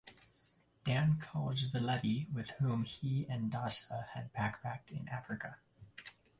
Dan calls Villetti, with whom he and Dassa had backpacked in Africa.